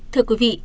thưa quý vị